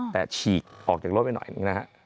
แต่ฉีกออกจากรถไปหน่อยหนึ่งนะฮะ